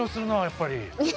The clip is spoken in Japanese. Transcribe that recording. やっぱり。